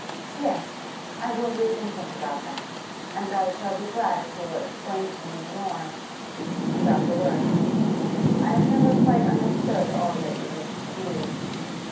'Yes, I will read and think about them. And I shall be glad if you will explain to me more about the works. I have never quite understood all that you wish to do.